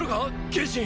剣心。